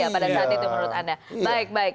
pada saat itu menurut anda baik baik